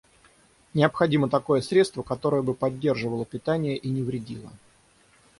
Необходимо такое средство, которое бы поддерживало питание и не вредило.